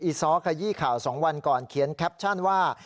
ซ้อขยี้ข่าว๒วันก่อนเขียนแคปชั่นว่า